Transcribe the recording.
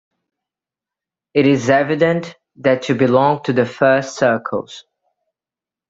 It is evident that you belong to the first circles.